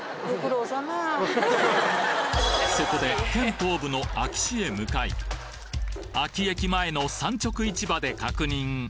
そこで県東部の安芸市へ向かい安芸駅前の産直市場で確認！